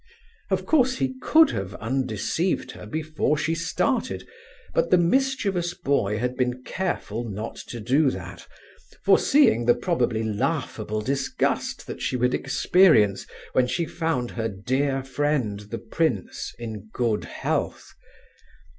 Of course he could have undeceived her before she started, but the mischievous boy had been careful not to do that, foreseeing the probably laughable disgust that she would experience when she found her dear friend, the prince, in good health.